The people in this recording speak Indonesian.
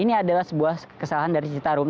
ini adalah sebuah kesalahan dari citarum